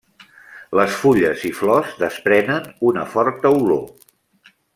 Les fulles i flors desprenen una forta olor.